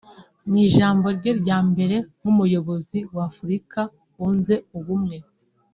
Mu ijambo rye rya mbere nk’umuyobozi w’Afurika yunze ubumwe